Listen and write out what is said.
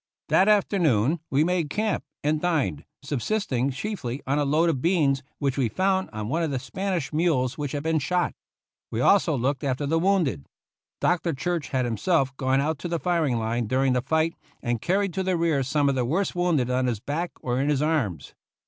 That afternoon we made camp and dined, sub sisting chiefly on a load of beans which we found on one of the Spanish mules which had been shot. We also looked after the wounded. Dr. Church had himself gone out to the firing line during the fight, and carried to the rear some of ^he worst wounded on his back or in his arms.